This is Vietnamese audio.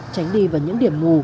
tránh đi vào những điểm mù